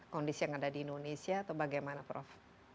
kondisi yang ada di indonesia atau bagaimana prof